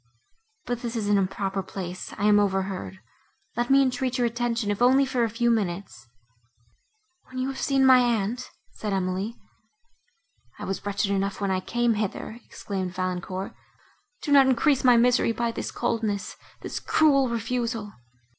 But this is an improper place—I am overheard. Let me entreat your attention, if only for a few minutes."—"When you have seen my aunt," said Emily. "I was wretched enough when I came hither," exclaimed Valancourt, "do not increase my misery by this coldness—this cruel refusal."